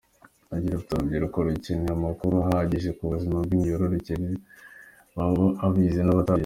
Agira ati “Urubyiruko rukeneye amakuru ahagije ku buzima bw’imyororokere, baba abize n’abatarize.